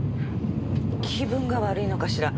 気分が悪いのかしら？